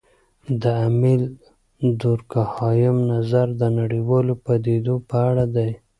د امیل دورکهايم نظر د نړیوالو پدیدو په اړه دی.